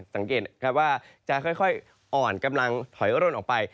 สังเกตว่าจะค่อยอ่อนกำลังถอยร่นออกไป